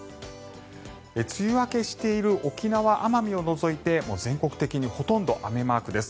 梅雨明けしている沖縄・奄美を除いて全国的にほとんど雨マークです。